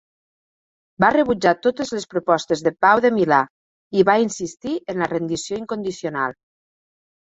Va rebutjar totes les propostes de pau de Milà, i va insistir en la rendició incondicional.